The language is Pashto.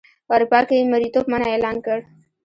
اروپا کې یې مریتوب منع اعلان کړ.